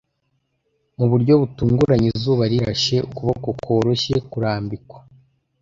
mu buryo butunguranye izuba rirashe - ukuboko kworoshye kurambikwa